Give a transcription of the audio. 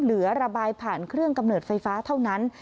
เหลือระบายผ่านเครื่องกำเนิดไฟฟ้าเท่านั้น